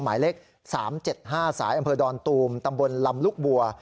หมายเลข๓๗๕สายอำเภอดอนตูมตำบลลำลูกบัว